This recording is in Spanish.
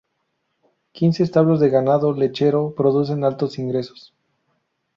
Quince establos de ganado lechero producen altos ingresos.